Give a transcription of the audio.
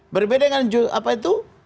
berbeda dengan apa itu